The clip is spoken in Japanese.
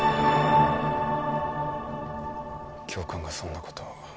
教官がそんなことを。